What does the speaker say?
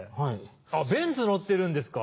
あっベンツ乗ってるんですか？